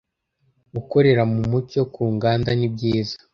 Gukorera mu Mucyo ku Nganda nibyiza.